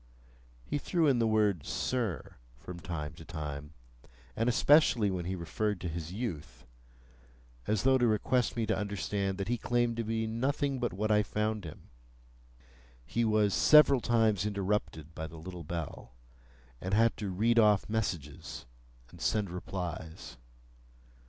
He threw in the word, "Sir," from time to time, and especially when he referred to his youth,—as though to request me to understand that he claimed to be nothing but what I found him. He was several times interrupted by the little bell, and had to read off messages, and send replies.